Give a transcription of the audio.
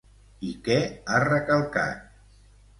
I què ha recalcat?